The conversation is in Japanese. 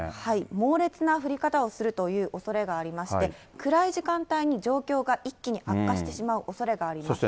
猛烈な降り方をするというおそれがありまして、暗い時間帯に状況が一気に悪化してしまうおそれがあります。